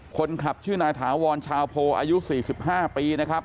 คนขับชื่อนายถาวรชาวโพอายุ๔๕ปีนะครับ